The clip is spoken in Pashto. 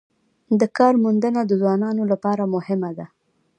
د کار موندنه د ځوانانو لپاره مهمه ده